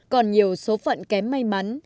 còn nhiều số phận kém may mắn